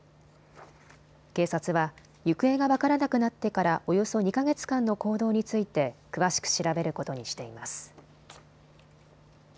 警察は行方が分からなくなってからおよそ２か月間の行動について詳しく調べることにしています。